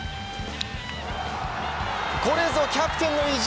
これぞ、キャプテンの意地！